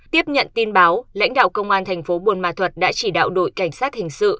tiếp nhận tin báo lãnh đạo công an thành phố buôn ma thuật đã chỉ đạo đội cảnh sát hình sự